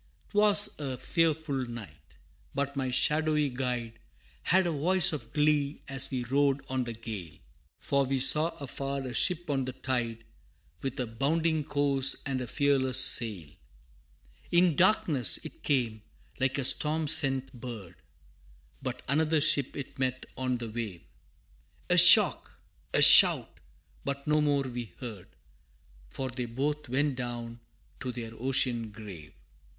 'Twas a fearful night, but my shadowy guide Had a voice of glee as we rode on the gale, For we saw afar a ship on the tide, With a bounding course and a fearless sail. In darkness it came, like a storm sent bird, But another ship it met on the wave: A shock a shout but no more we heard, For they both went down to their ocean grave!